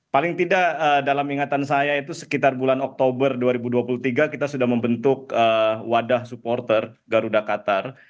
paling tidak dalam ingatan saya itu sekitar bulan oktober dua ribu dua puluh tiga kita sudah membentuk wadah supporter garuda qatar